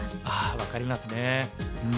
ああ分かりますね。